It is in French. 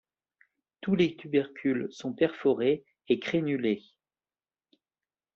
Tous les tubercules sont perforés et crénulés.